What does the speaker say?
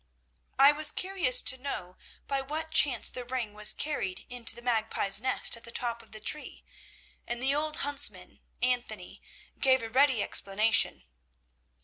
"I was curious to know by what chance the ring was carried into the magpie's nest at the top of the tree, and the old huntsman, Anthony, gave a ready explanation.